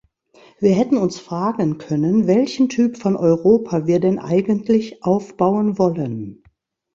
Wir hätten uns fragen können, welchen Typ von Europa wir denn eigentlich aufbauen wollen.